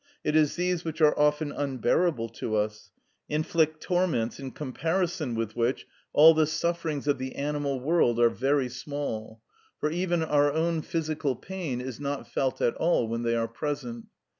It is these which are often unbearable to us—inflict torments in comparison with which all the sufferings of the animal world are very small; for even our own physical pain is not felt at all when they are present.